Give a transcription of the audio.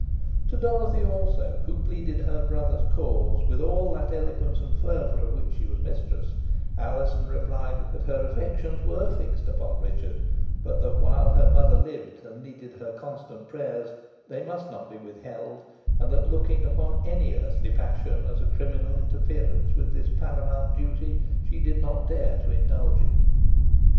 To Dorothy also, who pleaded her brother's cause with all the eloquence and fervour of which she was mistress, Alizon replied that her affections were fixed upon Richard; but that, while her mother lived, and needed her constant prayers, they must not be withheld; and that, looking upon any earthly passion as a criminal interference with this paramount duty, she did not dare to indulge it.